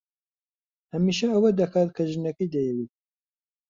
هەمیشە ئەوە دەکات کە ژنەکەی دەیەوێت.